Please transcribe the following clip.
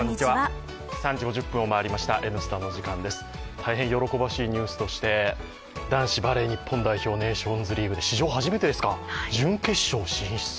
大変喜ばしいニュースとして男子バレー日本代表ネーションズリーグ、史上初めてですか、準決勝進出。